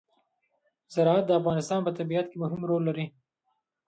زراعت د افغانستان په طبیعت کې مهم رول لري.